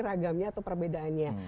ragamnya atau perbedaannya